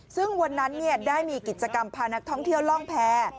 ซึ่งวันนั้นได้มีกิจกรรมพานักท่องเที่ยวล่องแพร